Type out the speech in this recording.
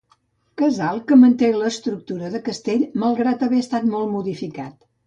Casal que manté l'estructura de castell malgrat haver estat molt modificat.